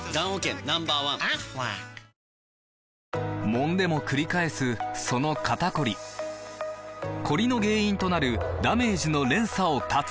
もんでもくり返すその肩こりコリの原因となるダメージの連鎖を断つ！